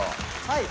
はい